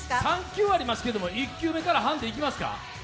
３球ありますけども１球目からハンデいきますか？